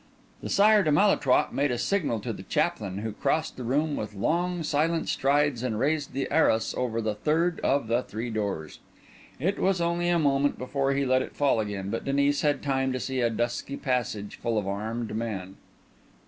The Sire de Malétroit made a signal to the chaplain, who crossed the room with long silent strides and raised the arras over the third of the three doors. It was only a moment before he let it fall again; but Denis had time to see a dusky passage full of armed men.